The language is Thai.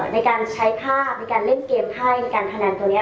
ในการใช้ภาพในการเล่นเกมไข้ในการพนันตัวนี้